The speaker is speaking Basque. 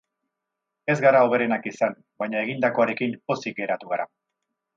Ez gara hoberenak izan, baina egindakoarekin pozik geratu gara.